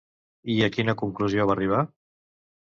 I a quina conclusió va arribar?